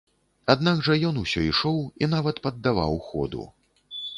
Аднак жа ён усё ішоў і нават паддаваў ходу.